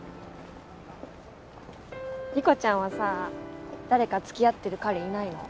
理子ちゃんはさ誰か付き合ってる彼いないの？